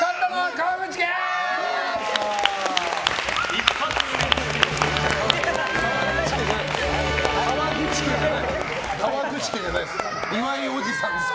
川口家じゃないです。